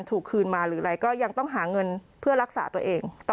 คืนมาหรืออะไรก็ยังต้องหาเงินเพื่อรักษาตัวเองต่อ